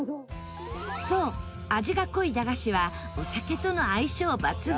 そう、味が濃い駄菓子はお酒との相性抜群！